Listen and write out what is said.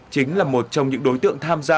chính là một trong những đối tượng tham gia